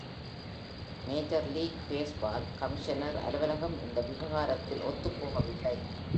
Major league baseball commissioner அலுவலகம் இந்த விவகாரத்தில் ஒத்துப்போகவில்லை.